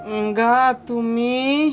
enggak tuh mi